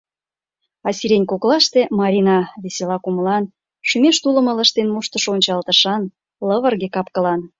А сирень коклаште — Марина, весела кумылан, шӱмеш тулым ылыжтен моштышо ончалтышан, лывырге кап-кылан.